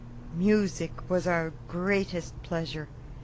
Music was our greatest pleasure.